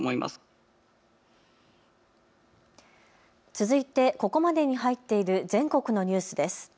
続いて、ここまでに入っている全国のニュースです。